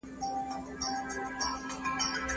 سپما مې د نوي فرصت لپاره وساتله.